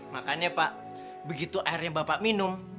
makanya pak begitu airnya bapak minum